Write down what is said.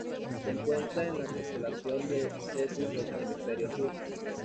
Se encuentra en la constelación de Cetus del hemisferio sur.